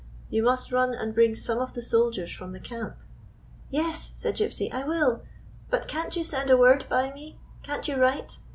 You must run and bring some of the soldiers from the camp." " Yes," said Gypsy, " I will. But can't you send a word by me ? Can't you write